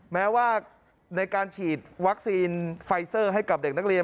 แม้ว่าในการฉีดวัคซีนไฟเซอร์ให้กับเด็กนักเรียน